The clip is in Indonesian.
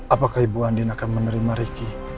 apakah ibu andin akan menerima ricky